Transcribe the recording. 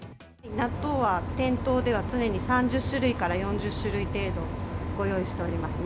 納豆は店頭では常に３０種類から４０種類程度、ご用意しておりますね。